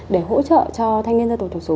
để hỗ trợ cho thanh niên gia tổ thổ số